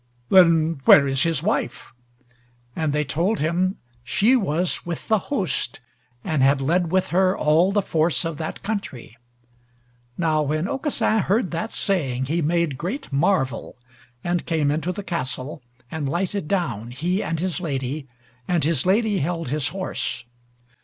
"Then where is his wife?" And they told him she was with the host, and had led with her all the force of that country. Now when Aucassin heard that saying, he made great marvel, and came into the castle, and lighted down, he and his lady, and his lady held his horse.